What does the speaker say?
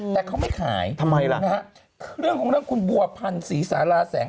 แต่เขาไม่ขายทำไมล่ะนะฮะเรื่องของเรื่องคุณบัวพันธ์ศรีสาราแสง